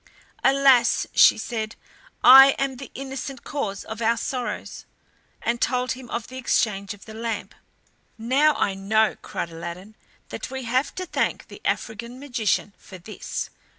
"Alas," she said, "I am the innocent cause of our sorrows," and told him of the exchange of the lamp. "Now I know," cried Aladdin, "that we have to thank the African magician for this!